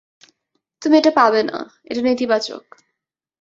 তুমি এটা পাবে না, এটা নেতিবাচক।